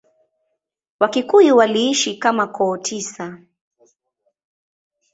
Wakikuyu waliishi kama koo tisa.